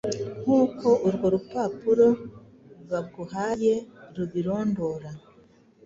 nkuko urwo rupapuro baguhaye rubirondora.